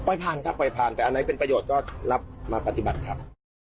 ผ่านครับปล่อยผ่านแต่อันไหนเป็นประโยชน์ก็รับมาปฏิบัติครับ